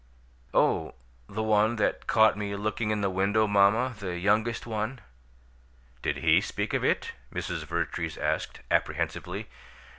"Oh, the one that caught me looking in the window, mamma, the youngest one " "Did he speak of it?" Mrs. Vertrees asked, apprehensively.